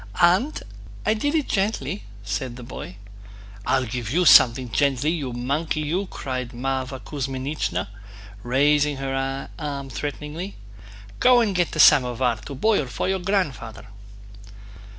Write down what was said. "Aunt, I did it gently," said the boy. "I'll give you something gently, you monkey you!" cried Mávra Kuzmínichna, raising her arm threateningly. "Go and get the samovar to boil for your grandfather."